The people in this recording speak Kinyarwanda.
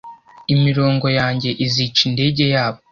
imirongo yanjye izica indege yabo